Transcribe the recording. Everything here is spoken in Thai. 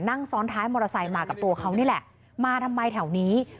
นั่งซ้อนท้ายมอเตอร์ไซค์มากับตัวเขานี่แหละมาทำไมแถวนี้